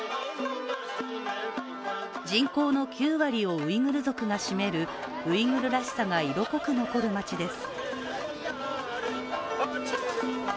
人口の９割をウイグル族が占めるウイグルらしさが色濃く残る街です。